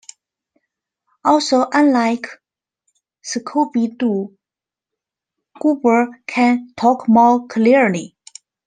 Also unlike Scooby-Doo, Goober can talk more clearly.